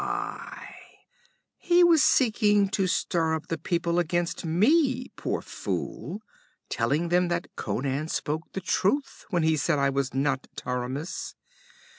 'Aye! He was seeking to stir up the people against me, poor fool, telling them that Conan spoke the truth when he said I was not Taramis.